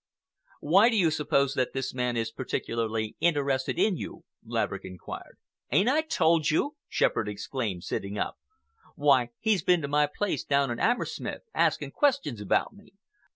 "Why do you suppose that this man is particularly interested in you?" Laverick inquired. "Ain't I told you?" Shepherd exclaimed, sitting up. "Why, he's been to my place down in 'Ammersmith, asking questions about me.